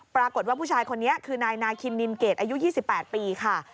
ปรากฏว่าผู้ชายคนนี้คือนายนาคินนินเกตอายุ๒๘ปีค่ะ